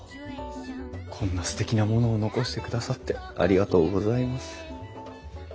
こんなすてきなものを残してくださってありがとうございます。